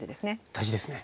大事ですね。